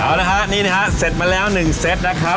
เอาละครับนี่นะครับเสร็จมาแล้ว๑เซ็ตนะครับ